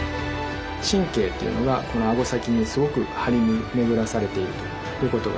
神経というのがこのアゴ先にすごく張り巡らされているということが分かります。